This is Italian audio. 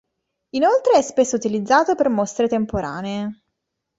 Inoltre è spesso utilizzato per mostre temporanee.